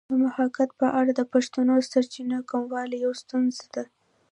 د محاکات په اړه د پښتو سرچینو کموالی یوه ستونزه ده